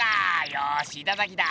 よしいただきだ！